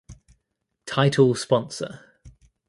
Title Sponsor